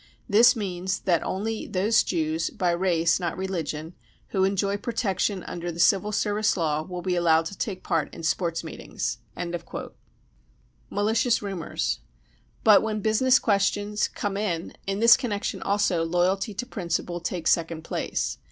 This means that only those Jews (by race, not religion) who enjoy protection under the Civil Service Law will be allowed to take part in sports meetings." Malicious Rumours. But when business questions come in, in this connection also loyalty to principle takes second place.